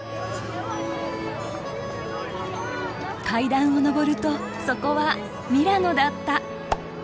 階段を上るとそこはミラノだった。